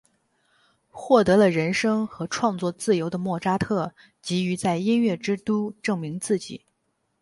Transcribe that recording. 获得了人生和创作自由的莫扎特急于在音乐之都证明自己。